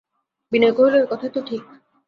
বিনয় কহিল, ঐ কথাই তো ঠিক।